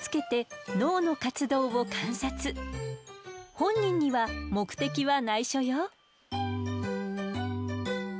本人には目的はないしょよ。